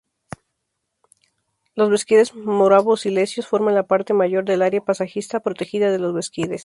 Los Beskides moravo-silesios forman la parte mayor del Área Paisajística Protegida de los Beskides.